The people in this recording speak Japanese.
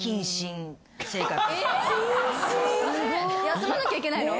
休まなきゃいけないの？